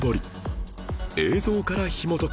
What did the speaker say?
映像からひもとく